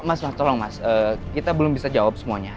mas tolong mas kita belum bisa jawab semuanya